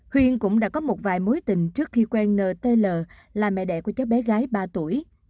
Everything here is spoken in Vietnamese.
huyên cũng đã có một vài mối tình trước khi quen n t l là mẹ đẻ của cháu bé gái ba tuổi